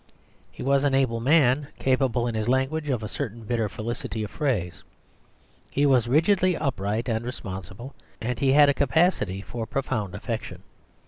He was an able man, capable in his language of a certain bitter felicity of phrase. He was rigidly upright and responsible, and he had a capacity for profound affection.